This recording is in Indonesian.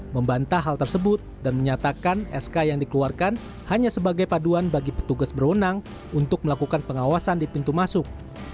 membantah hal tersebut dan menyatakan sk yang dikeluarkan hanya sebagai paduan bagi petugas berwenang untuk melakukan pengawasan di pintu masuk